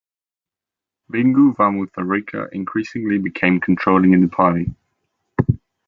Bingu wa Mutharika increasingly became controlling in the party.